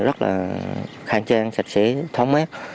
rất là khang trang sạch sẽ thói mát